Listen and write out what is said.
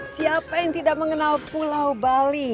siapa yang tidak mengenal pulau bali